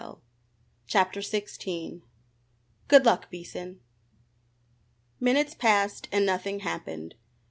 CHAPTER XVI "GOOD LUCK, BEASON!" Minutes passed and nothing happened.